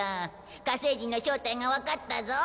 火星人の正体がわかったぞ。